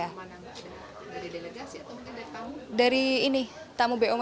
mana mbak ada dari delegasi atau mungkin dari tamu